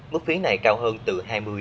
mức phí này cao hơn từ hai mươi hai mươi năm